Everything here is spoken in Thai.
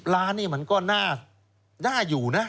ล้านนี่มันก็น่าอยู่นะ